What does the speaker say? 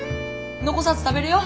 残さず食べれよ！